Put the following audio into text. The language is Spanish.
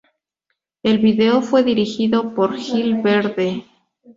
El video fue dirigido por Gil Verde.